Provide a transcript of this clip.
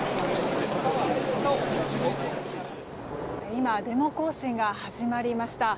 今、デモ行進が始まりました。